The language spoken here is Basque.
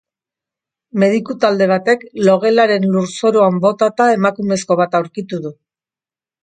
Mediku talde batek logelaren lurzoruan botata emakumezko bat aurkitu du.